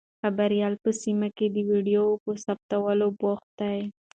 خبریال په سیمه کې د ویډیو په ثبتولو بوخت دی.